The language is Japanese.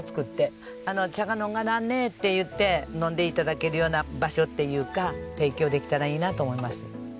「茶飲まんね」って言って飲んで頂けるような場所っていうか提供できたらいいなと思います。